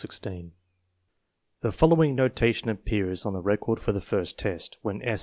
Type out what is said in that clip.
The following notation appears on the record for the first test, when S.